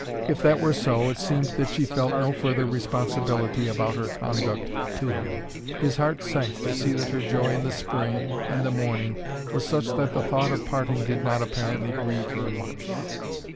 If that were so, it seemed that she felt no further responsibility about her conduct to him. His heart sank to see that her joy in the spring and the morning was such that the thought of parting did not apparently grieve her much.